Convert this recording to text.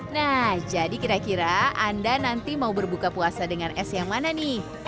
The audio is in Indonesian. nah jadi kira kira anda nanti mau berbuka puasa dengan es yang mana nih